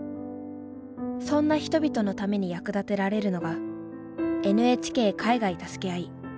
そんな人々のために役立てられるのが「ＮＨＫ海外たすけあい」。